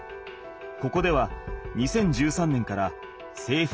ここでは２０１３年からせいふ